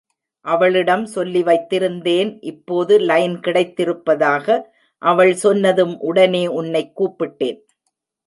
அவளிடம் சொல்லிவைத்திருந்தேன் இப்போது லைன் கிடைத்திருப்பதாக அவள் சொன்னதும் உடனே உன்னை கூப்பிட்டேன்.